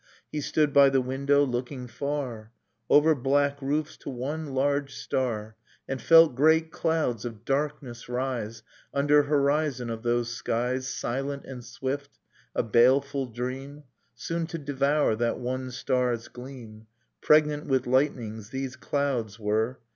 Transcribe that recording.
...^ He stood by the window, looking far ! Over black roofs to one large star, And felt great clouds of darkness rise i Under horizon of those skies, \ Silent and swift, a baleful dream, | Soon to devour that one star's gleam. Pregnant with lightnings, these clouds were